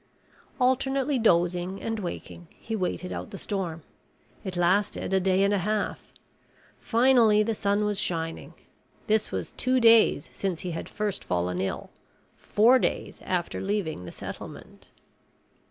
Alternately dozing and waking he waited out the storm. It lasted a day and a half. Finally the sun was shining. This was two days since he had first fallen ill, four days after leaving the settlement.